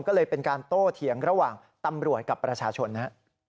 ก็เลยเป็นการโตเถียงระหว่างตำรวจกับประชาชนนะครับ